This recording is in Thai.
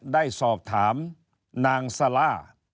ได้สอบถามนางซาล่า